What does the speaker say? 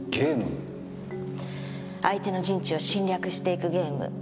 相手の陣地を侵略していくゲーム。